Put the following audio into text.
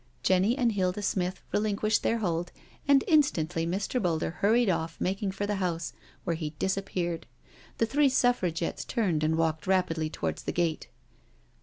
'* Jenny and Hilda Smith relinquished their hold, and instantly Mr. Boulder hurried off, making for the house, where he dis appeared. The three Suffragettes turned and walked rapidly towards the gate.